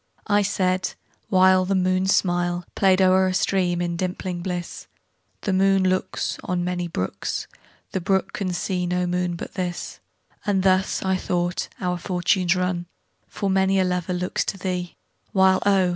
I said (whileThe moon's smilePlay'd o'er a stream, in dimpling bliss),The moon looksOn many brooks, The brook can see no moon but this; And thus, I thought, our fortunes run, For many a lover looks to thee, While oh!